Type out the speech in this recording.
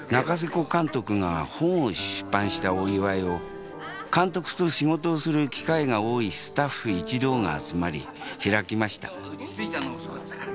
古監督が本を出版したお祝いを監督と仕事する機会が多いスタッフ一同が集まり開きました。